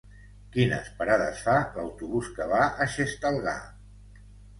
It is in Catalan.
Quines parades fa l'autobús que va a Xestalgar?